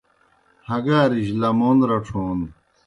ہگارِجیْ لمون رڇھون